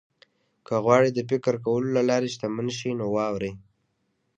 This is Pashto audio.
که غواړئ د فکر کولو له لارې شتمن شئ نو واورئ.